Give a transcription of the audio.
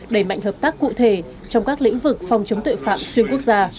đẩy mạnh hợp tác cụ thể trong các lĩnh vực phòng chống tội phạm xuyên quốc gia